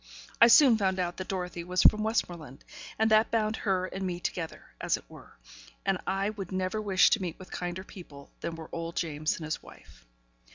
I soon found out that Dorothy was from Westmoreland, and that bound her and me together, as it were; and I would never wish to meet with kinder people than were old James and his wife.